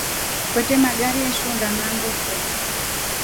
Kwete magari eshunda ngʼambo foo.